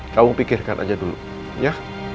kamu pikirkan aja dulu ya